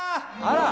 あら。